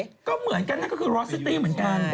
เหมือนกันนะก็คือรอสติตตี้เหมือนกัน